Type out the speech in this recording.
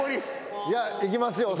いきますよ